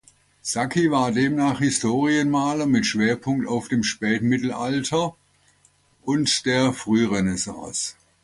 Sacchi war demnach Historienmaler mit Schwerpunkt auf dem Spätmittelalter und der Frührenaissance.